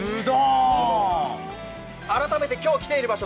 改めて今日、来ている場所